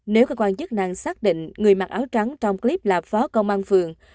nếu cơ quan chức năng xác định người mặc áo trắng trong clip là phó công an phường